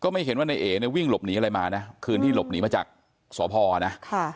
ไม่เห็นว่านายเอ๋เนี่ยวิ่งหลบหนีอะไรมานะคืนที่หลบหนีมาจากสพนะ